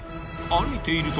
［歩いていると］